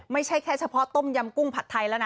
ไม่ใช่แค่เฉพาะต้มยำกุ้งผัดไทยแล้วนะ